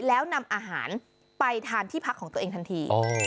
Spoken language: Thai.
แล้วนำอาหารไปทานที่พักของตัวเองทันที